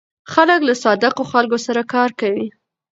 خلک له صادقو خلکو سره کار کوي.